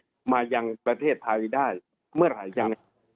กันมายังประเทศไทยได้เมื่อไหร่อย่างนี้